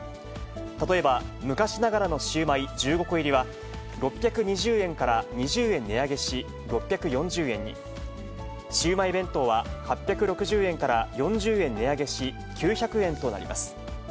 例えば、昔ながらのシウマイ１５個入は、６２０円から２０円値上げし、６４０円に、シウマイ弁当は８６０円から４０円値上げし、９００円となります。